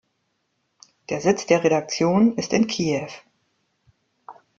Der Sitz der Redaktion ist in Kiew.